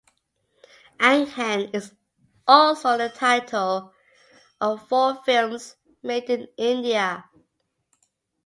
Aankhen is also the title of four films made in India.